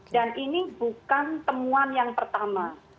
dan ini bukan temuan yang pertama